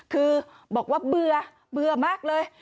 คือบอกว่าเบื่อเบื่อมากเลย